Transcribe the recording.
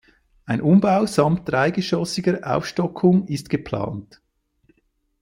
Ein Umbau samt dreigeschossiger Aufstockung ist geplant.